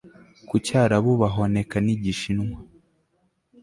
ku cyarabu bahoneka nigishinwa